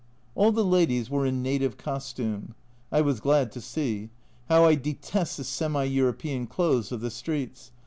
All the ladies were in native costume, I was glad to see (how I detest the semi European clothes of the streets